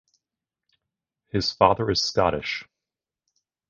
His father is Scottish.